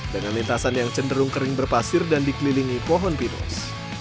dengan lintasan yang cenderung kering berpasir dan dikelilingi pohon pinus